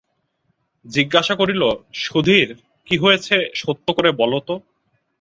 জিজ্ঞাসা করিল, সুধীর, কী হয়েছে সত্য করে বলো তো।